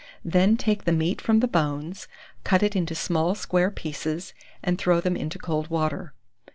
Then take the meat from the bones, cut it into small square pieces, and throw them into cold water.